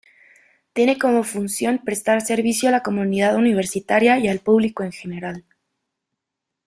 Tiene como función prestar servicio a la comunidad universitaria y al público en general.